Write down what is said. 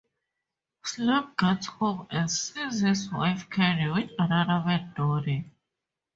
Slam gets home and sees his wife Candy with another man, Donny.